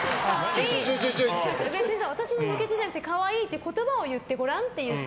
私に向けてじゃなくて可愛いって言葉を言ってごらんって言って。